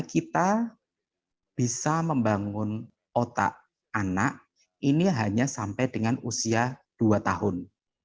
kita bisa membangun otak anak ini hanya sampai dengan usia dua tahun